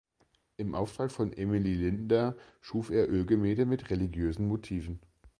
Im Auftrag von Emilie Linder schuf er Ölgemälde mit religiösen Motiven.